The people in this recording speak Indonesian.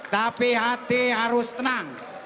tapi hati harus tenang